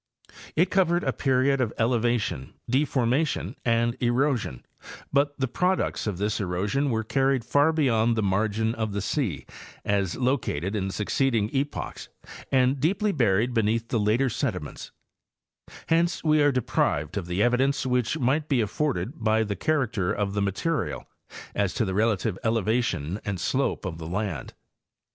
It covered a period of elevation, deformation and erosion, but the products of this erosion were carried far beyond the margin of the sea as located in succeeding epochs and deeply buried beneath the later sedi ments; hence we are deprived of the evidence which might be afforded by the character of the material, as to the relative eleva tion and slope of the land.